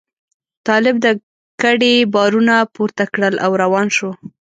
طالب د کډې بارونه پورته کړل او روان شو.